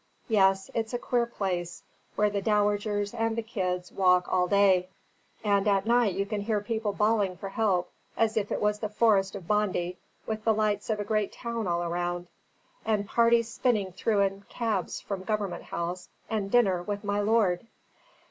Yes, it's a queer place, where the dowagers and the kids walk all day, and at night you can hear people bawling for help as if it was the Forest of Bondy, with the lights of a great town all round, and parties spinning through in cabs from Government House and dinner with my lord!"